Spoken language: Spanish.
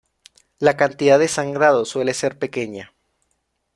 La cantidad de sangrado suele ser pequeña.